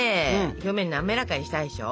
表面滑らかにしたいでしょ？